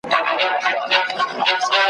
خر پیدا دی چي به وړي درانه بارونه `